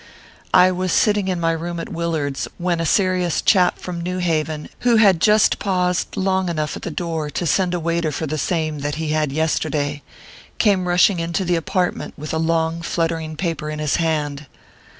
I was sitting in my room at Willard s, when a serious chap from New Haven, who had just paused long enough at the door to send a waiter for the same that he had yesterday, came rushing into the apartment with a long, fluttering paper in his hand.